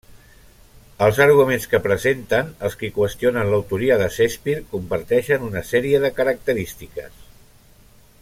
Els arguments que presenten els qui qüestionen l'autoria de Shakespeare comparteixen una sèrie de característiques.